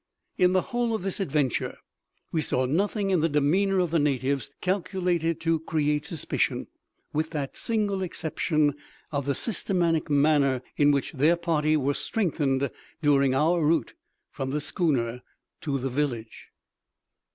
In the whole of this adventure we saw nothing in the demeanour of the natives calculated to create suspicion, with the single exception of the systematic manner in which their party was strengthened during our route from the schooner to the village.